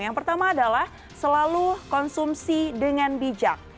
yang pertama adalah selalu konsumsi dengan bijak